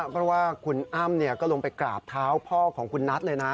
เพราะว่าคุณอ้ำก็ลงไปกราบเท้าพ่อของคุณนัทเลยนะ